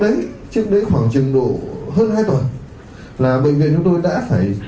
trước đấy trước đấy khoảng trường độ hơn hai tuần là bệnh viện chúng tôi đã phải